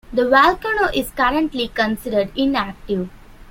The volcano is currently considered inactive.